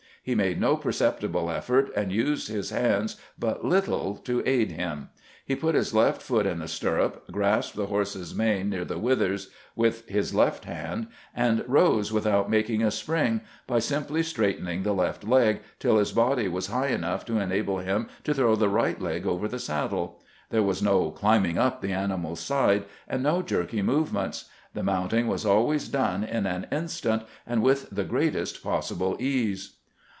He made no perceptible effort, and used his hands but little to aid him ; he put his left foot in the stirrup, grasped the horse's mane near the withers with his left hand, and rose without making a spring, by simply straightening the left leg till his body was high enough to enable him to throw the right leg over the saddle. There was no "climbing" up the animal's side, and no jerky move ments. The mounting was always done in an instant and with the greatest possible ease.